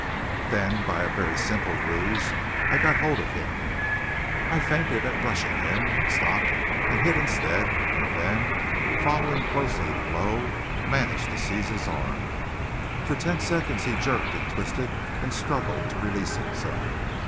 Then, by a very simple ruse, I got hold of him. I feinted at rushing him, stopped and hit instead, and then, following closely the blow, managed to seize his arm. For ten seconds he jerked and twisted and struggled to release himself.